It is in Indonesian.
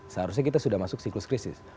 seharusnya kita sudah masuk siklus krisis